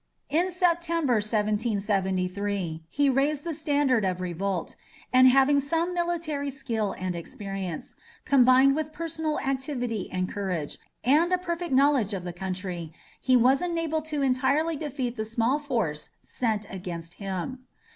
In September 1773, he raised the standard of revolt, and having some military skill and experience, combined with personal activity and courage, and a perfect knowledge of the country, he was enabled to entirely defeat the small force sent against him.